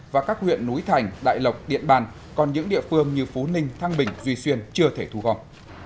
và các huyện núi thành đại lộc điện bàn còn những địa phương như phú ninh thăng bình duy xuyên chưa thể thu gom